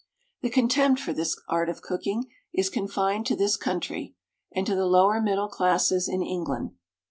The contempt for this art of cooking is confined to this country, and to the lower middle classes in England.